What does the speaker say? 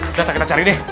sudah kita cari deh